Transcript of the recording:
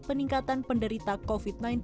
peningkatan penderita covid sembilan belas